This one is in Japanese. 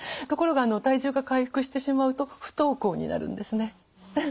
ところが体重が回復してしまうと不登校になるんですね。